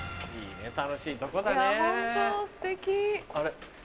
あれ？